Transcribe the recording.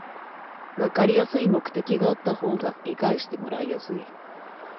わかりやすい目的があった方が理解してもらいやすい